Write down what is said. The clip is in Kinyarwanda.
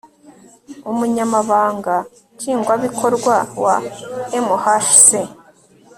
Umunyamabanga Nshingwabikorwa wa MHC